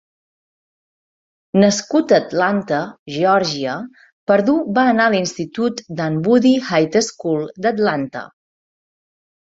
Nascut a Atlanta, Geòrgia, Pardue va anar a l'institut Dunwoody High School d'Atlanta.